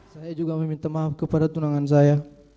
saya juga meminta maaf kepada tunangan saya